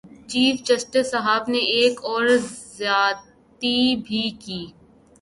Chief justice صاحب نے ایک اور زیادتی بھی کی۔